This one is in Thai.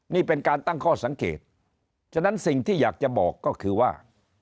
นี่เป็นการตั้งข้อสังเกตฉะนั้นสิ่งที่อยากจะบอกก็คือว่า